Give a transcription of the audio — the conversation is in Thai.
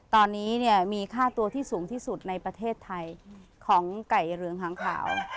ตอนนี้เนี่ยมีค่าตัวที่สูงที่สุดในประเทศไทยของไก่เหลืองหางขาว